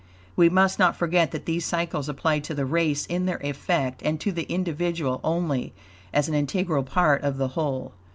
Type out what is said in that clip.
We must not forget that these cycles apply to the race in their effect, and to the individual only as an integral part of the whole.